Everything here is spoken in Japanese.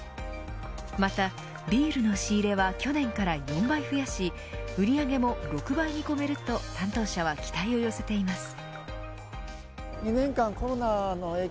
またビールの仕入れは、去年から４倍増やし売り上げも６倍に見込めると担当者は期待を寄せています。